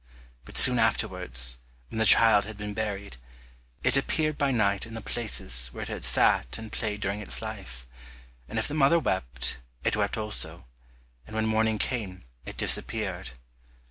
But soon afterwards, when the child had been buried, it appeared by night in the places where it had sat and played during its life, and if the mother wept, it wept also, and when morning came it disappeared.